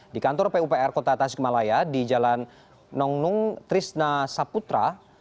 di kantor pupr kota tasikmalaya di jalan nongnung trisna saputra